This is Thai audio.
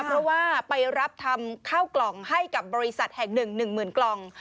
เพราะว่าไปรับทำเข้ากลองให้กับบริษัทแห่งหนึ่งหนึ่งหมื่นกลอง